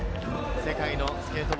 世界のスケート